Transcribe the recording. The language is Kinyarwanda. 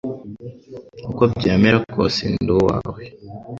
Uko byamera kose nduwawe